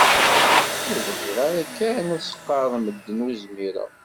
Ur bɣiɣ ara kan ad s-qqaren medden ur zmireɣ.